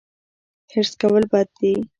حرص کول بد دي